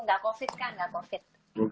gak covid kan gak covid